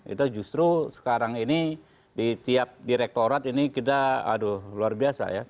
itu justru sekarang ini di tiap direktorat ini kita aduh luar biasa ya